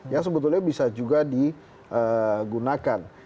yang sebetulnya bisa juga digunakan